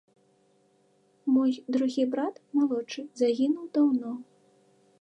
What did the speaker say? Мой другі брат, малодшы, загінуў даўно.